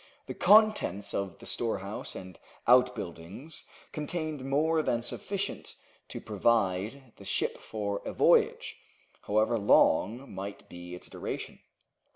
The contents of the storehouse and outbuildings contained more than sufficient to provide the ship for a voyage, however long might be its duration.